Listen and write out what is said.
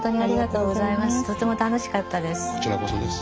とても楽しかったです。